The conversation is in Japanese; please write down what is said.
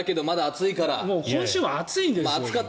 今週も暑いんですよ！